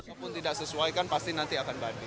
kalaupun tidak sesuaikan pasti nanti akan banding